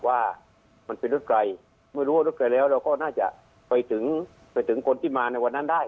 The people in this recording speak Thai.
ว่ามันเป็นรถไกลไม่รู้ว่ารถไกลแล้วเราก็น่าจะไปถึงไปถึงคนที่มาในวันนั้นได้